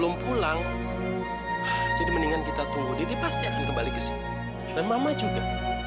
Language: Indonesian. sampai jumpa di video selanjutnya